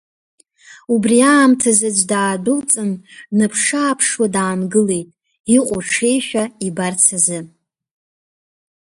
Убри аамҭазы, аӡә даадәылҵын, днаԥшы-ааԥшуа даангылеит, иҟоу ҽеишәа ибарц азы.